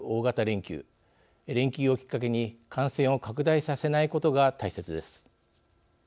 連休をきっかけに感染を拡大させないことが大切です。